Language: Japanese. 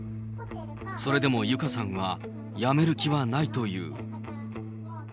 それでも友香さんはやめる気はないという。